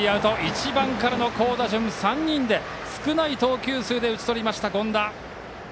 １番からの好打順を３人で少ない投球数で打ち取りました権田。